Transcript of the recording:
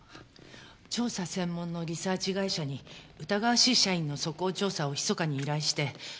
調査専門のリサーチ会社に疑わしい社員の素行調査をひそかに依頼してその結果。